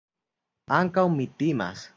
Ankaŭ mi timas.